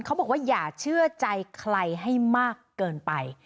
เขาบอกว่าอย่าเชื่อใจใครให้มากเกินไป